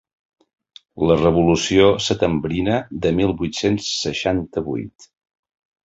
La revolució setembrina de mil vuit-cents seixanta-vuit.